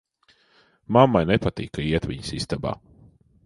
Mammai nepatīk, ka iet viņas istabā.